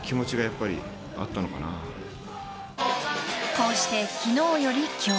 ［こうして昨日より今日］